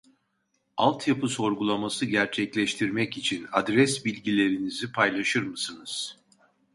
Alt yapı sorgulaması gerçekleştirmek için adres bilgilerinizi paylaşır mısınız?